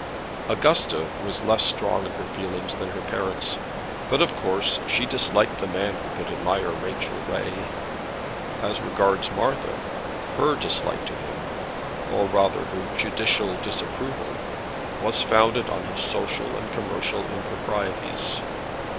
Augusta was less strong in her feelings than her parents, but of course she disliked the man who could admire Rachel Ray. As regards Martha, her dislike to him, or rather, her judicial disapproval, was founded on his social and commercial improprieties.